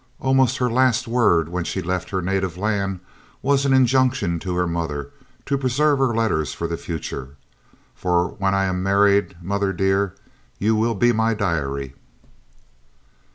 Almost her last word when she left her native land was an injunction to her mother to preserve her letters for the future, "for when I am married, mother dear, you will be my diary."